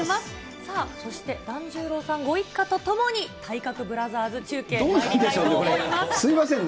さあ、そして團十郎さんご一家と共に、体格ブラザーズ中継、すみませんね。